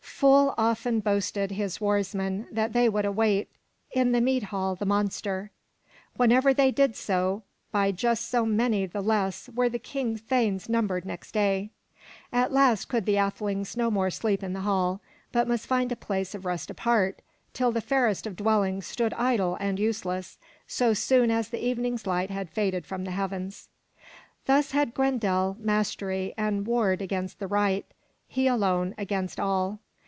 Full often boasted his warsmen that they would await in the mead hall the monster. Whenever they did so, by just so many the less were the King's thanes numbered next day. At last could the athelings no more sleep in the hall, but must find a place of rest apart, till the fairest of dwellings stood idle and useless, so soon as the evening's light had faded from the heavens. Thus had Grendel mastery and warred against the right, he alone against all.